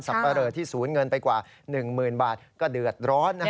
ปะเรอที่ศูนย์เงินไปกว่า๑๐๐๐บาทก็เดือดร้อน